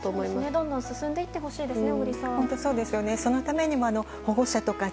どんどん進んでいってほしいですね。